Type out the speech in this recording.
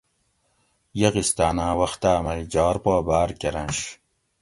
یغستاۤناۤں وختا مئ جھاۤر پا باۤر کرنش